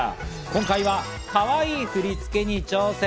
今回は、かわいい振り付けに挑戦。